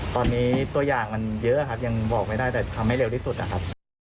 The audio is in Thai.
ตอนนี้ตัวอย่างมันเยอะครับยังบอกไม่ได้แต่ทำให้เร็วที่สุดนะครับ